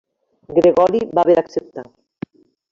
Gregori va haver d'acceptar.